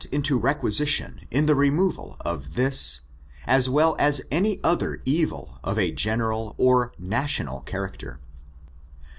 into requisition in the removal of this, as well as any I other evil of a general or national character.